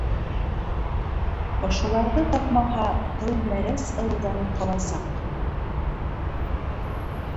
Ошоларҙы тапмаһа, Тыумәрәс ырыуҙан ҡаласаҡ.